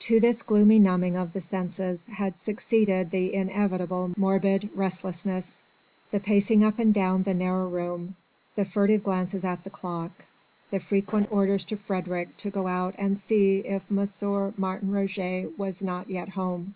To this gloomy numbing of the senses had succeeded the inevitable morbid restlessness: the pacing up and down the narrow room, the furtive glances at the clock, the frequent orders to Frédérick to go out and see if M. Martin Roget was not yet home.